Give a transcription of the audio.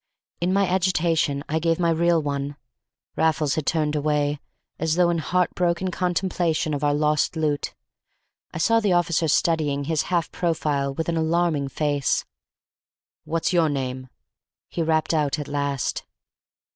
In my agitation I gave my real one. Raffles had turned away, as though in heart broken contemplation of our lost loot. I saw the officer studying his half profile with an alarming face. "What's your name?" he rapped out at last.